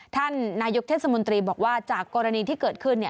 ท่านนายกเทศมนตรีบอกว่าจากกรณีที่เกิดขึ้น